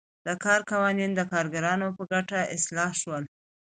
د کار قوانین د کارګرانو په ګټه اصلاح شول.